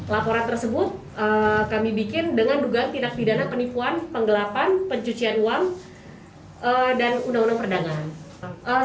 laporan tersebut kami bikin dengan dugaan tindak pidana penipuan penggelapan pencucian uang dan undang undang perdagangan